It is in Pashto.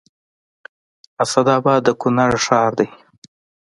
اسداباد د کونړ ښار دی